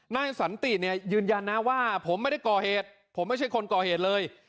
นายสันติเนี่ยยืนยันนะว่าผมไม่ได้ก่อเหตุผมไม่ใช่คนก่อเหตุเลย